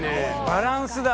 バランスだ。